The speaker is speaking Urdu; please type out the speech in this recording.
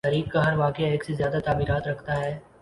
تایخ کا ہر واقعہ ایک سے زیادہ تعبیرات رکھتا ہے۔